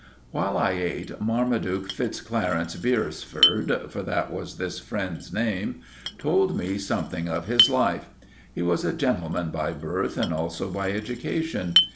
While I ate, Marmaduke FitzClarence Beresford—for that was this friend's name—told me something of his life. He was a gentleman by birth and also by education.